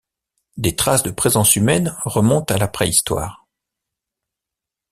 Des traces de présence humaines remontent à la préhistoire.